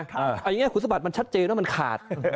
อย่างนี้คุณสัปดาห์มันชัดเจนว่ามันขาด